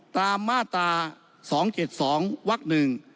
ตามมาตรา๒๗๒วักหนึ่ง